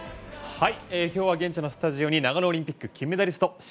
今日は現地のスタジオに長野オリンピック金メダリスト